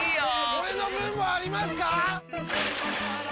俺の分もありますか！？